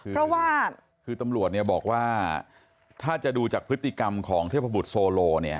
เพราะว่าคือตำรวจบอกว่าถ้าจะดูจากพฤติกรรมของเทพบุตรโซโลเนี่ย